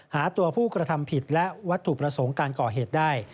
หาตัวผู้กระทำผิดและวัตถุประสงค์การก่อเหตุได้